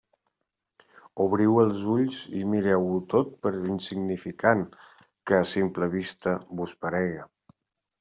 Obriu els ulls i mireu-ho tot per insignificant que a simple vista vos parega.